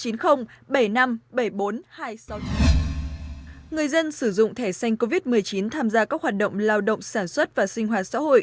người dân sử dụng thẻ xanh covid một mươi chín tham gia các hoạt động lao động sản xuất và sinh hoạt xã hội